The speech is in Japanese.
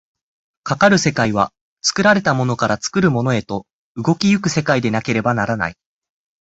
かかる世界は作られたものから作るものへと動き行く世界でなければならない。